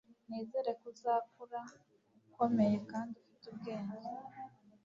nizere ko uzakura ukomeye kandi ufite ubwenge